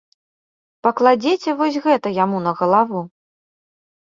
Пакладзеце вось гэта яму на галаву.